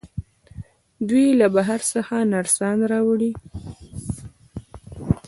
دوی له بهر څخه نرسان راوړي.